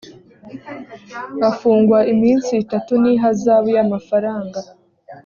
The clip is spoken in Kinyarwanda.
afungwa iminsi itatu n ihazabu y amafaranga